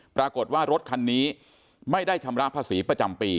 ปรากฏว่ารถคันนี้ไม่ได้ชำระภาษีประจำปี